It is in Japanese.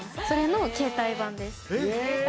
それの携帯版です。